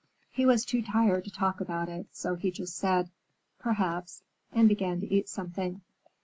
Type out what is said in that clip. He was too tired to talk about it, so he just said, "Perhaps," and began to eat something.